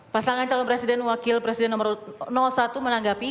pasangan calon presiden wakil presiden nomor satu menanggapi